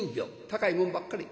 高いもんばっかり。